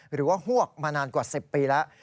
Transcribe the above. หรือว่าฮวกมานานกว่า๑๐ปีแล้ว